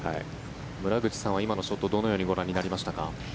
村口さんは今のショットどのようにご覧になりましたか。